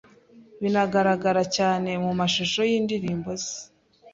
binagaragara cyane mu mashusho y’indirimbo ze